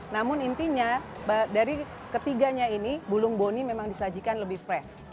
namun intinya dari ketiganya ini bulung boni memang disajikan lebih fresh